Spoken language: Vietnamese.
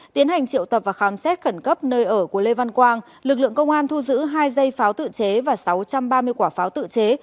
tiến hành triệu tập và khám xét khẩn cấp nơi ở của lê văn quang lực lượng công an thu giữ hai dây pháo tự chế và sáu trăm ba mươi quả pháo tự chế